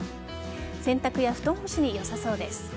洗濯や布団干しによさそうです。